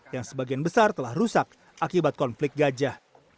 yang sebagian besar telah rusak akibat konflik gajah